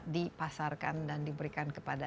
dipasarkan dan diberikan ke